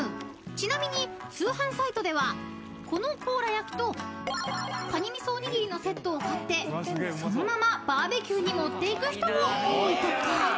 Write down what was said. ［ちなみに通販サイトではこの甲羅焼と蟹味噌おにぎりのセットを買ってそのままバーベキューに持っていく人も多いとか］